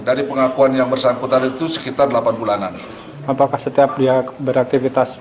dari pengakuan yang bersangkutan itu sekitar delapan bulanan apakah setiap dia beraktivitas